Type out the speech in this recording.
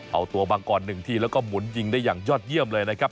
เอาตัวมังกร๑ทีแล้วก็หมุนยิงได้อย่างยอดเยี่ยมเลยนะครับ